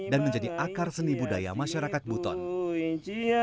dan menjadi akar seni budaya masyarakat buton